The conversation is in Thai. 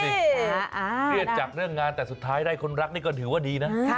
เครียดจากเรื่องงานแต่สุดท้ายได้คนรักนี่ก็ถือว่าดีนะ